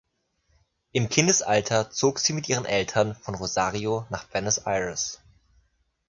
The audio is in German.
Im Kindesalter zog sie mit ihren Eltern von Rosario nach Buenos Aires.